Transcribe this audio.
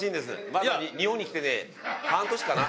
まだ日本に来てね半年かな？